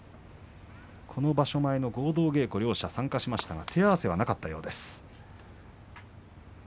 この場所前の合同稽古に両者参加しましたが手合わせはなかったようです。